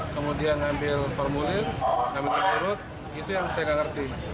kemudian mengambil formulir mengambil pengurut itu yang saya tidak mengerti